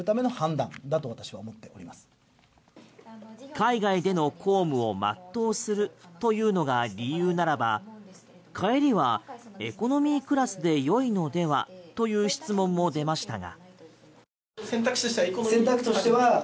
海外での公務を全うするというのが理由ならば帰りはエコノミークラスで良いのではという質問も出ましたが。